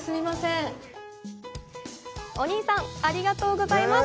お兄さん、ありがとうございます！